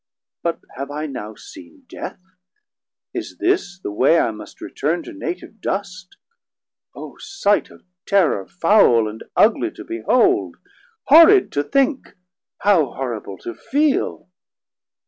But have I now seen Death? Is this the way I must return to native dust? O sight Of terrour, foul and ugly to behold, Horrid to think, how horrible to feel!